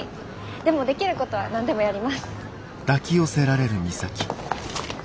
でもできることは何でもやります。